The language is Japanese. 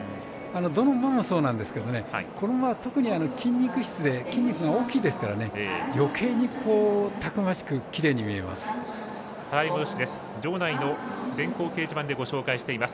どの馬もそうなんですけどこの馬は特に筋肉質で筋肉が大きいですから、よけいにたくましくきれいに見えます。